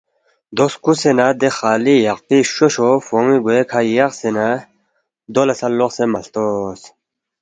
دو سکُوسے نہ دے خالی یقپی شُوشُو فون٘ی گوے کھہ یقسے نہ دو لہ سہ لوقسے مہ ہلتوس